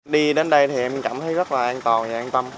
đi đến đây thì em cảm thấy rất là an toàn và an tâm